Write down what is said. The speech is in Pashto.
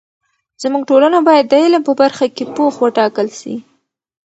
زموږ ټولنه باید د علم په برخه کې پوخ وټاکل سي.